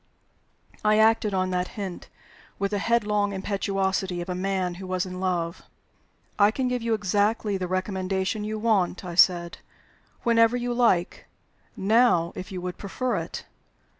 I acted on that hint, with the headlong impetuosity of a man who was in love. "I can give you exactly the recommendation you want," I said, "whenever you like. Now, if you would prefer it."